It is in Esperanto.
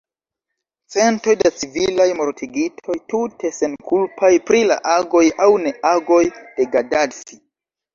Centoj da civilaj mortigitoj, tute senkulpaj pri la agoj aŭ neagoj de Gadafi.